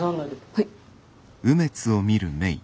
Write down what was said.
はい。